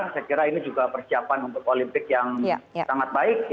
saya kira ini juga persiapan untuk olimpik yang sangat baik